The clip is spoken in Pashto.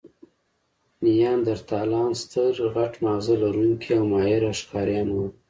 نیاندرتالان ستر، غټ ماغزه لرونکي او ماهره ښکاریان وو.